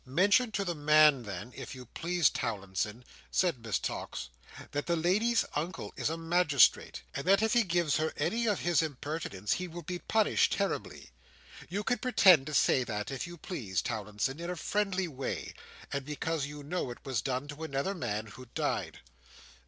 "Mention to the man, then, if you please, Towlinson," said Miss Tox, "that the lady's uncle is a magistrate, and that if he gives her any of his impertinence he will be punished terribly. You can pretend to say that, if you please, Towlinson, in a friendly way, and because you know it was done to another man, who died."